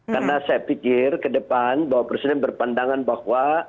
karena saya pikir ke depan bahwa presiden berpandangan bahwa